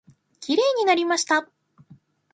きれいになりました。